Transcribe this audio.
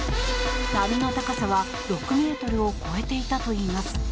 波の高さは６ｍを超えていたといいます。